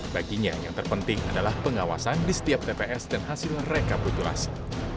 baginya yang terpenting adalah pengawasan di setiap tps dan hasil rekapitulasi